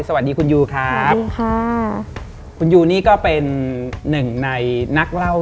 สวัสดีคุณยูครับค่ะคุณยูนี่ก็เป็นหนึ่งในนักเล่า